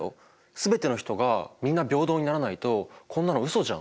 全ての人がみんな平等にならないとこんなのうそじゃん。